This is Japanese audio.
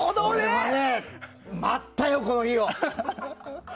待ったよ、この日を。